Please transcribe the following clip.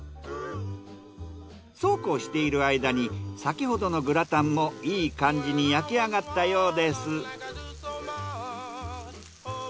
そうこうしている間に先ほどのグラタンもいい感じに焼き上がったようです。